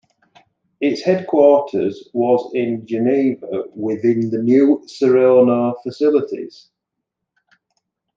Its headquarters was in Geneva, within the new Serono facilities.